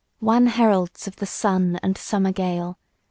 WAN Heralds of the sun and summer gale!